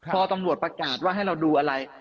พอตำรวจประกาศว่าให้เราดูอะไร